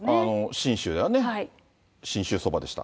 信州ではね、信州そばでした。